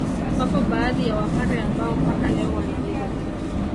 Wapo baadhi ya Wapare ambao mpaka leo wanaweza